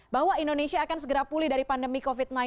bahwa indonesia akan segera pulih dari pandemi covid sembilan belas